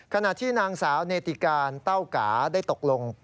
ขณะที่นางสาวเนติการเต้ากาได้ตกลง